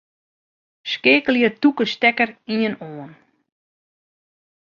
Skeakelje tûke stekker ien oan.